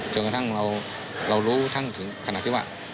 จนกระทั่งเรารู้ทั้งถึงขนาดที่ว่า